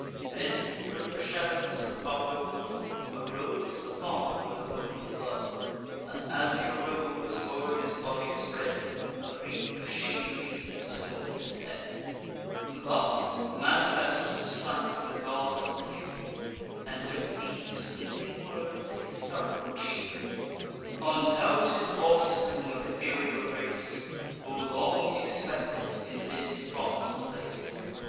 Then, thro' the shadows of the poplar wood, Arose the father of the Roman flood; An azure robe was o'er his body spread, A wreath of shady reeds adorn'd his head: Thus, manifest to sight, the god appear'd, And with these pleasing words his sorrow cheer'd: "Undoubted offspring of ethereal race, O long expected in this promis'd place!